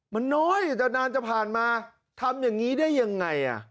มันน้อยแต่นานจะผ่านมาทำอย่างนี้ได้ยังไง